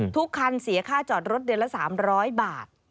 ทุกคันเสียค่าจอดรถเดือนละ๓๐๐บาท